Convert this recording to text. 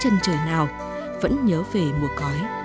thì đó chính là một nguyền ký ức